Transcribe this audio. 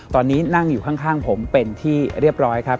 ตอนนี้นั่งอยู่ข้างผมเป็นที่เรียบร้อยครับ